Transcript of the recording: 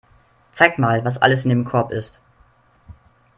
Zeig mal, was alles in dem Korb ist.